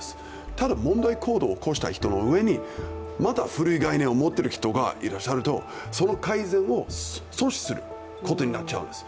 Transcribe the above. ただ問題行動を起こした人の上にまた古い概念を持っている方がいらっしゃるとその改善を阻止することになっちゃうんです。